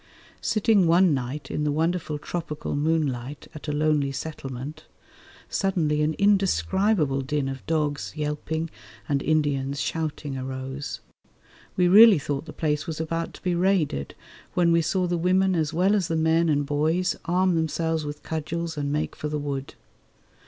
Sitting one night in the wonderful tropical moonlight at a lonely settlement, suddenly an indescribable din of dogs yelping and Indians shouting arose. We really thought the place was about to be raided when we saw the women as well as the men and boys arm themselves with cudgels and make for the wood.